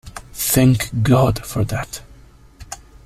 Thank God for that!